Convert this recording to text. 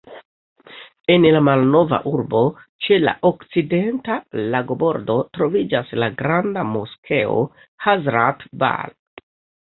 En la malnova urbo, ĉe la okcidenta lagobordo, troviĝas la granda moskeo Hazrat-Bal.